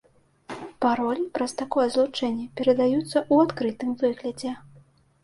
Паролі праз такое злучэнне перадаюцца ў адкрытым выглядзе.